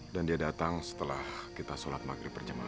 dan dia datang setelah kita sholat maghrib perjamaah